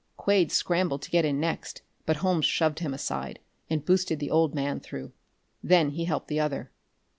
Quade scrambled to get in next, but Holmes shoved him aside and boosted the old man through. Then he helped the other.